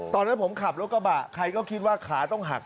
ตอนนั้นผมขับรถกระบะใครก็คิดว่าขาต้องหัก